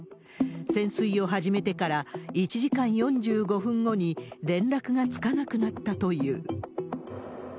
潜水を始めてから１時間４５分後に、連絡がつかなくなったという。